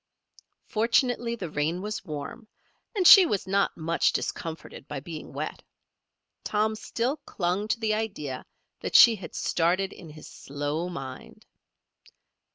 Fortunately the rain was warm, and she was not much discomforted by being wet. Tom still clung to the idea that she had started in his slow mind.